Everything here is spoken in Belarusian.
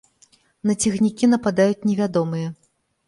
На цягнікі нападаюць невядомыя.